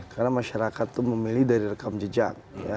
karena masyarakat itu memilih dari rekam jejak